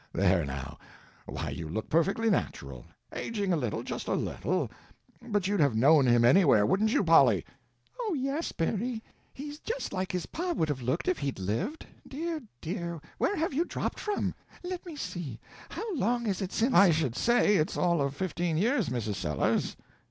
There, now—why, you look perfectly natural; aging a little, just a little, but you'd have known him anywhere, wouldn't you, Polly?" "Oh, yes, Berry, he's just like his pa would have looked if he'd lived. Dear, dear, where have you dropped from? Let me see, how long is it since—" "I should say it's all of fifteen years, Mrs. Sellers."